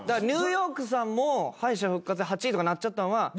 ニューヨークさんも敗者復活で８位とかになっちゃったんは。